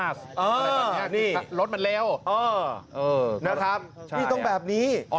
อะไรแบบนี้รถมันเร็วนะครับนี่ต้องแบบนี้ใช่ไหม